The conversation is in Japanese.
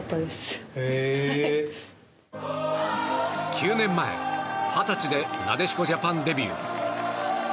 ９年前、二十歳でなでしこジャパンデビュー。